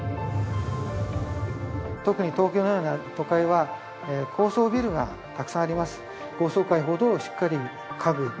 特に東京のような都会は高層ビルがたくさんあります。